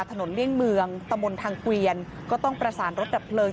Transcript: เลี่ยงเมืองตะมนต์ทางเกวียนก็ต้องประสานรถดับเพลิง